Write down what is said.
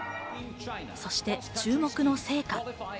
そして注目の聖火。